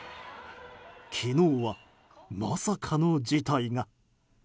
昨日は、まさかの事態が。